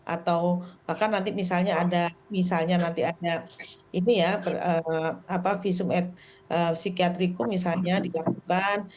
atau bahkan nanti misalnya ada visum et psikiatriku misalnya digangguan